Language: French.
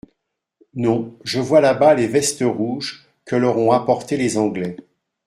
Non, je vois là-bas les vestes rouges que leur ont apportées les Anglais.